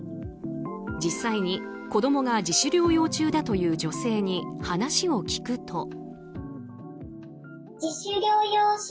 実際に子供が自主療養中だという女性に話を聞くと。